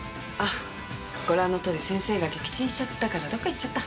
ご覧のとおり先生が撃沈しちゃったからどっか行っちゃった。